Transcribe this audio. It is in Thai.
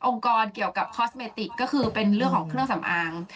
กรเกี่ยวกับคอสเมติกก็คือเป็นเรื่องของเครื่องสำอาง